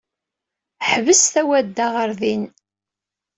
Ḥbes tawadda ɣer din.